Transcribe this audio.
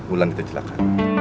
ulang itu celaka